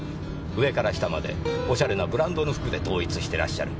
上から下までおしゃれなブランドの服で統一してらっしゃる。